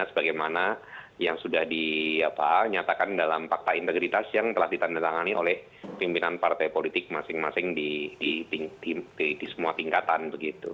sebagaimana yang sudah dinyatakan dalam fakta integritas yang telah ditandatangani oleh pimpinan partai politik masing masing di semua tingkatan begitu